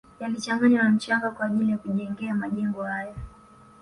Yalichanganywa na mchanga kwa ajili ya kujengea majengo hayo